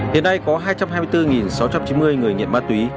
hiện nay có hai trăm hai mươi bốn sáu trăm chín mươi người nghiện ma túy